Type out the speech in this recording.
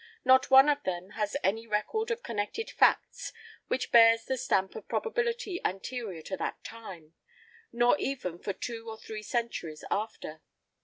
Not one of them has any record of connected facts which bears the stamp of probability anterior to that time, nor even for two or three centuries after.